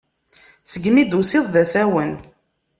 Segmi i d-tusiḍ d asawen.